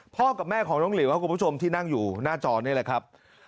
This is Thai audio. พ่อกับแม่ของน้องหลิวที่นั่งอยู่หน้าจอนี่แหละครับ